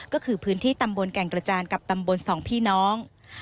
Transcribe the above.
ก็คือพื้นที่ตำบลแก่งกระจานกับตำบลสองพี่น้อง